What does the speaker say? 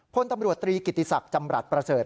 พลตำรวจตรีกิติศักดิ์จำรัฐประเสริฐ